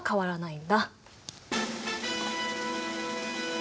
ん？